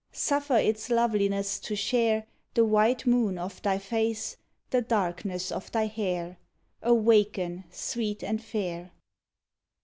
Suffer its loveliness to share The white moon of thy face, The darkness of thy hair. Awaken, sweet and fair!